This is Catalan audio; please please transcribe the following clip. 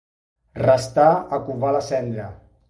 Restar a covar la cendra.